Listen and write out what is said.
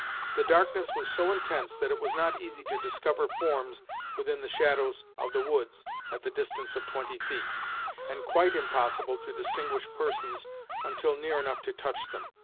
The darkness was so intense that it was not easy to discover forms within the shadows of the woods at the distance of twenty feet, and quite impossible to distinguish persons until near enough to touch them.